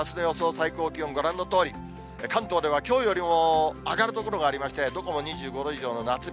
最高気温、ご覧のとおり、関東ではきょうよりも上がる所がありまして、どこも２５度以上の夏日。